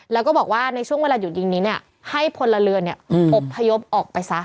แล้วก็บอกว่าในช่วงเวลาหยุดยิงนี้เนี่ยให้พลเรือนอบพยพออกไปซะ